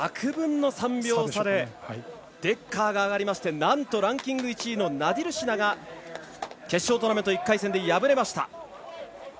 １００分の３秒差でデッカーが上がりましてなんとランキング１位のナディルシナが決勝トーナメント１回戦で敗れました。